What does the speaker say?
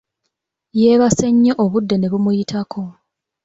Yeebase nnyo obudde ne bumuyitako.